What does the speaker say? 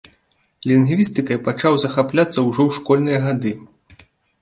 Лінгвістыкай пачаў захапляцца ўжо ў школьныя гады.